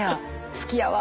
好きやわ。